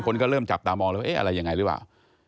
คนก็เริ่มจับตามองแล้วว่าเอ๊ะอะไรยังไงหรือเปล่า